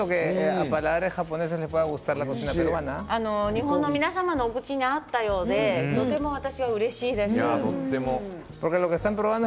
日本の皆様のお口に合ったようでとても私はうれしいです。